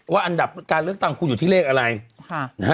อันดับการเลือกตั้งคุณอยู่ที่เลขอะไรค่ะนะฮะ